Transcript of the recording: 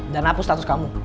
dan hapus status kamu